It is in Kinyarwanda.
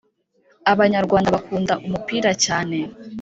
abanyarwanda bakunda umupira cyane